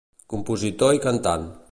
Compositor i cantant.